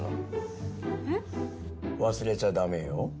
忘れちゃダメよ